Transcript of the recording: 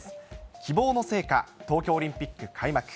希望の聖火、東京オリンピック開幕。